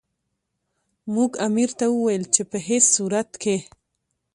موږ امیر ته وویل چې په هیڅ صورت کې.